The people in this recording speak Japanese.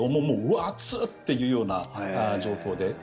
暑っ！というような状況で。